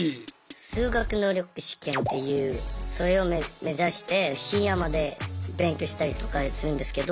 修学能力試験っていうそれを目指して深夜まで勉強したりとかするんですけど。